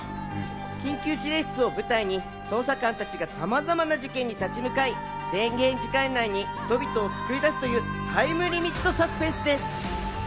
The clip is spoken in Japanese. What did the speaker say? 緊急指令室を舞台に、捜査官たちがさまざまな事件に立ち向かい、制限時間内に人々を救い出すというタイムリミットサスペンスです。